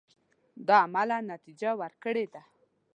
دا عملاً نتیجه ورکړې ده.